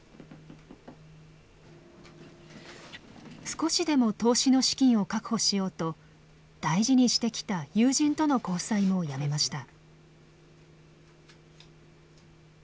少しでも投資の資金を確保しようと大事にしてきた友人との交際もやめました。